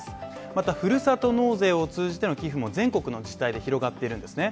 またふるさと納税を通じての寄付も全国の自治体で広がっているんですね。